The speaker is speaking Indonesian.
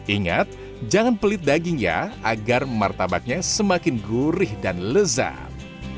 ingat jangan pelit daging ya agar martabaknya semakin gurih dan lezat